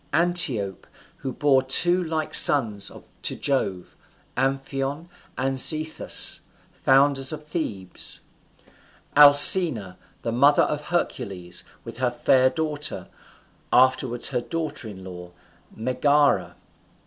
Antiope, who bore two like sons to Jove, Amphion and Zethus, founders of Thebes. Alcmena, the mother of Hercules, with her fair daughter, afterwards her daughter in law, Megara.